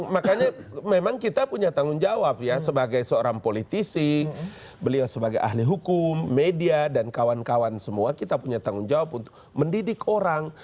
makanya memang kita punya tanggung jawab ya sebagai seorang politisi beliau sebagai ahli hukum media dan kawan kawan semua kita punya tanggung jawab untuk mendidik orang